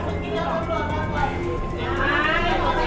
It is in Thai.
อายต้อนด้มหน่วยก่อน